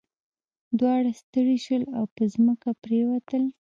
دواړه ستړي شول او په ځمکه پریوتل.